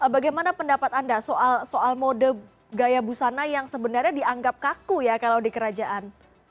bagaimana pendapat anda soal mode gaya busana yang sebenarnya dianggap kaku ya kalau di kerajaan